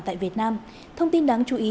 tại việt nam thông tin đáng chú ý